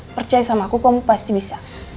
percaya sama aku kamu pasti bisa